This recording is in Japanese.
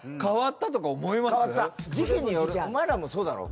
お前らもそうだろ？